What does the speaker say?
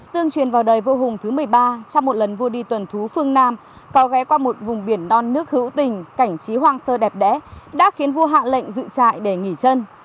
tương truyền vào đời vô hùng thứ một mươi ba trong một lần vua đi tuần thú phương nam có ghé qua một vùng biển non nước hữu tình cảnh trí hoang sơ đẹp đẽ đã khiến vua hạ lệnh dự trại để nghỉ chân